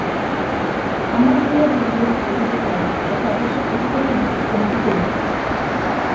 আমার হইয়া যদি কেহ প্রতিটি কাজ করে, তবে সে প্রতিবারই আমাকে পঙ্গু করিবে।